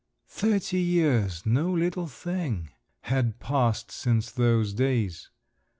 Thirty years, no little thing! had passed since those days.